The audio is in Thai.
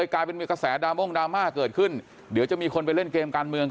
คนลงทะเบียนเยอะขึ้น